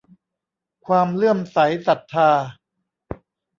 ความเลื่อมใสศรัทธา